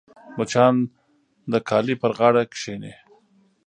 مچان د کالي پر غاړه کښېني